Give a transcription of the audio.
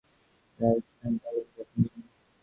তিনি রাজনীতিতে আগ্রহ দেখাননি।